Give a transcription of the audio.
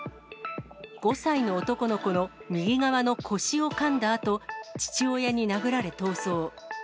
５歳の男の子の右側の腰をかんだあと、父親に殴られ逃走。